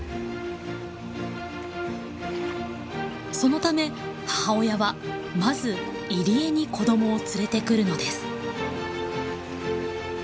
そのため母親はまず入り江に子どもを連れてくるのです。